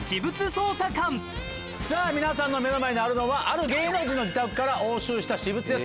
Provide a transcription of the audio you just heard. さぁ皆さんの目の前にあるのはある芸能人の自宅から押収した私物です。